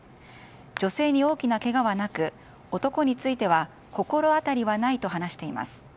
女性に大きなけがはなく男については心当たりはないと話しています。